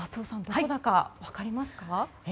どこだか分かりますか？